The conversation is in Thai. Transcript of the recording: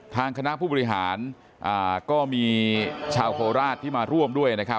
ทางคณะผู้บริหารก็มีชาวโคราชที่มาร่วมด้วยนะครับ